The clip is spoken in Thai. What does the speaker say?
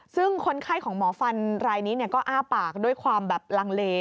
ซึ่งคนไข้ของหมอฟันรายนี้ก็อ้าปากด้วยความแบบลังเล